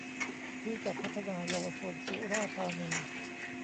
ที่จะพัฒนาเยาวชนสุราษฏร์ธานี